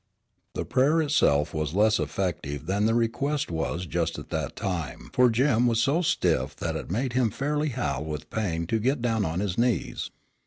The prayer itself was less effective than the request was just at that time for Jim was so stiff that it made him fairly howl with pain to get down on his knees.